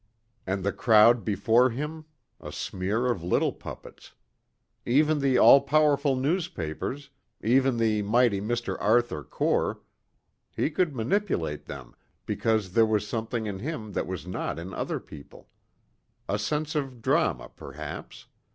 And the crowd before him a smear of little puppets. Even the all powerful newspapers, even the mighty Mr. Arthur Core he could manipulate them because there was something in him that was not in other people. A sense of drama, perhaps.